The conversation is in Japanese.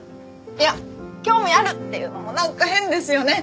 いや興味あるっていうのもなんか変ですよね。